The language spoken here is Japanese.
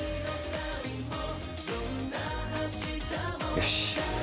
よし。